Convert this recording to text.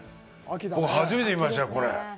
僕、初めて見ましたよ、これ。